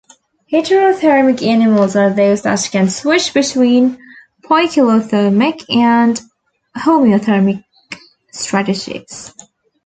Heterothermic animals are those that can switch between poikilothermic and homeothermic strategies.